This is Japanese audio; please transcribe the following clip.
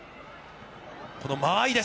この間合いです。